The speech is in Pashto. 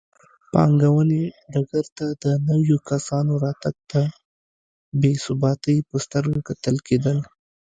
پانګونې ډګر ته د نویو کسانو راتګ ته بې ثباتۍ په سترګه کتل کېدل.